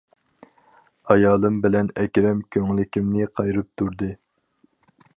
ئايالىم بىلەن ئەكرەم كۆڭلىكىمنى قايرىپ تۇردى.